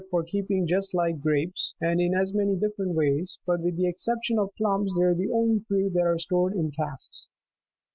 303 keeping just like grapes, and in as many different ways; but, with the exception of plums, they are the only fruit that are stored in casks.